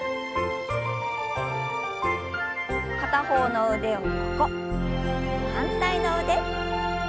片方の腕を横反対の腕。